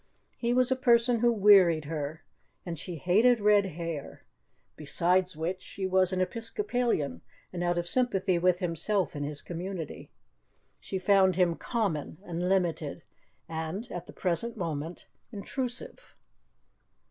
He was a person who wearied her, and she hated red hair; besides which, she was an Episcopalian and out of sympathy with himself and his community. She found him common and limited, and at the present moment, intrusive.